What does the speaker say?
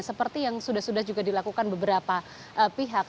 seperti yang sudah sudah juga dilakukan beberapa pihak